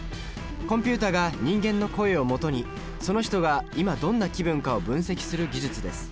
コンピュータが人間の声をもとにその人が今どんな気分かを分析する技術です。